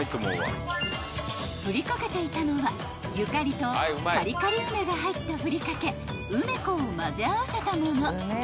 ［振り掛けていたのはゆかりとカリカリ梅が入ったふりかけうめこを混ぜ合わせたもの］